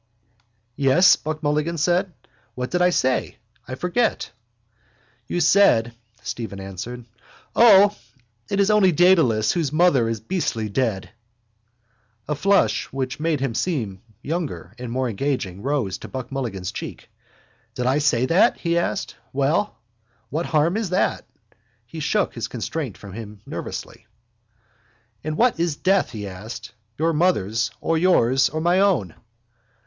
—Yes? Buck Mulligan said. What did I say? I forget. —You said, Stephen answered, O, it's only Dedalus whose mother is beastly dead. A flush which made him seem younger and more engaging rose to Buck Mulligan's cheek. —Did I say that? he asked. Well? What harm is that? He shook his constraint from him nervously. —And what is death, he asked, your mother's or yours or my own?